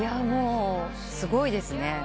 もうすごいですね。